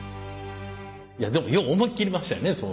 いやでもよう思い切りましたよね。